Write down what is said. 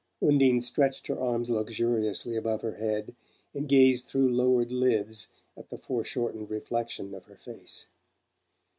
Undine stretched her arms luxuriously above her head and gazed through lowered lids at the foreshortened reflection of her face.